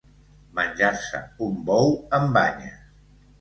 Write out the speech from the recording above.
Menjar-se un bou amb banyes.